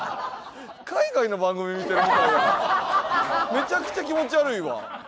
めちゃくちゃ気持ち悪いわ。